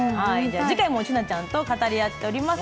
次回もティナちゃんと語り合っております。